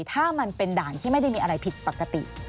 ถ้ามันเป็นด่านที่ไม่ได้มีอะไรผิดปกติ